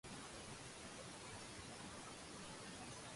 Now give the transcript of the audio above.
聽到這些話後簡直想撞牆